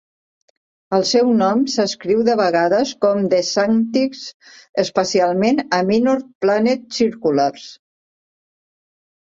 El seu nom s'escriu de vegades com a DeSanctis, especialment a "Minor Planet Circulars".